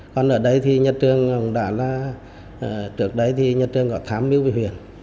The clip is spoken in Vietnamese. còn ở đây thì nhà trường đã là trước đây thì nhà trường đã thám mưu về huyền